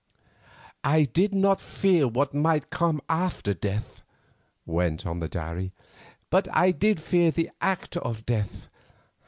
"I did not fear what might come after death," went on the diary, "but I did fear the act of death.